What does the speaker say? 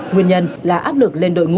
nguyên nhân là áp lực lên đội ngũ